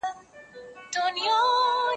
د خپل خوب قصه دي خپلو وروڼو ته مکوه.